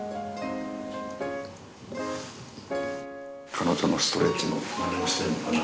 彼女のストレッチのまねをしてるのかな。